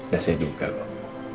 ya saya juga pak